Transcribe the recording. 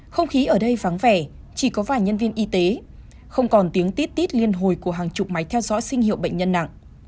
không khí ở đây vắng vẻ chỉ có vài nhân viên y tế không còn tiếng tiết tít liên hồi của hàng chục máy theo dõi sinh hiệu bệnh nhân nặng